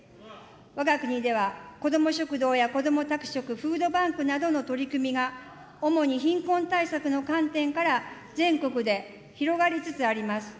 わが国では、こども食堂やこども宅食、フードバンクなどの取り組みが、主に貧困対策の観点から、全国で広がりつつあります。